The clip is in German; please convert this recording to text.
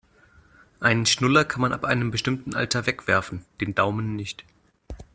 Einen Schnuller kann man ab einem bestimmten Alter wegwerfen, den Daumen nicht.